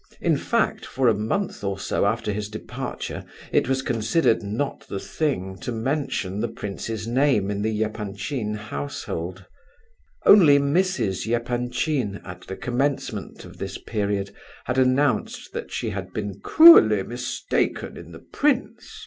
In fact, for a month or so after his departure it was considered not the thing to mention the prince's name in the Epanchin household. Only Mrs. Epanchin, at the commencement of this period, had announced that she had been "cruelly mistaken in the prince!"